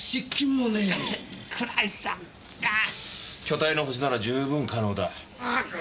巨体のホシなら十分可能だ。